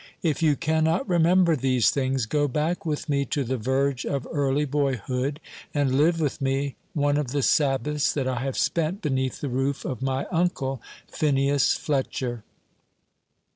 If you cannot remember these things, go back with me to the verge of early boyhood, and live with me one of the Sabbaths that I have spent beneath the roof of my uncle, Phineas Fletcher.